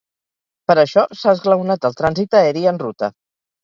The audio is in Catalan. Per això s’ha esglaonat el trànsit aeri en ruta.